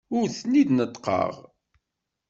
Ur ten-id-neṭṭqeɣ.